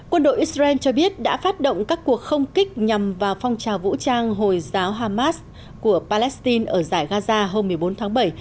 quân đội israel cho biết đã phát động các cuộc không kích nhằm vào phong trào vũ trang hồi giáo hamas của palestine ở giải gaza hôm một mươi bốn tháng bảy